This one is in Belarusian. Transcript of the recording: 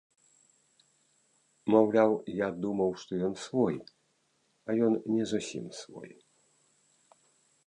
Маўляў, я думаў, што ён свой, а ён не зусім свой!